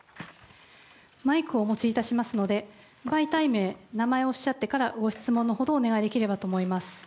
マイクをお持ちいたしますので媒体名、名前をおっしゃってからご質問のほどをお願いできればと思います。